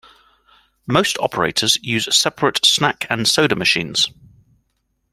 Most operators use separate snack and soda machines.